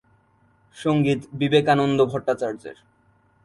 সঙ্গীত বিবেকানন্দ ভট্টাচার্যের।